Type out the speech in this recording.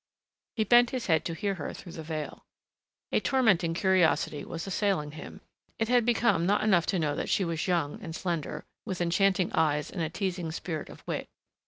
He bent his head to hear her through the veil. A tormenting curiosity was assailing him. It had become not enough to know that she was young and slender, with enchanting eyes and a teasing spirit of wit....